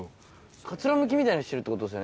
かつらむきみたいにしてるってことですよね。